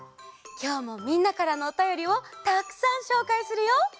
きょうもみんなからのおたよりをたくさんしょうかいするよ。